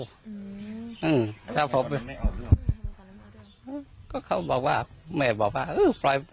พี่ชายของอิงสังคุณนี้ยืนยันว่า